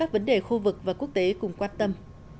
các vấn đề khu vực và quốc tế cùng quan tâm